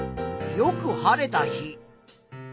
よく晴れた日。